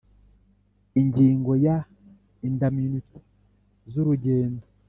Ingingo ya indamunite z urugendo